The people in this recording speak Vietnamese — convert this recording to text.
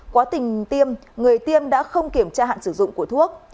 quá trình tiêm người tiêm đã không kiểm tra hạn sử dụng của thuốc